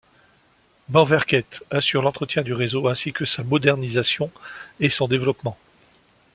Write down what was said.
Banverket assure l'entretien du réseau ainsi que sa modernisation et son développement.